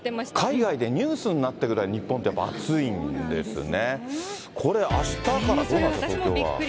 海外でニュースになってるぐらい、日本ってやっぱ暑いんですね。